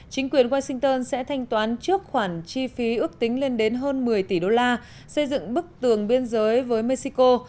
chính quyền washington sẽ thanh toán trước khoản chi phí ước tính lên đến hơn một mươi tỷ đô la xây dựng bức tường biên giới với mexico